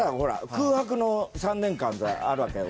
空白の３年間ってあるわけ。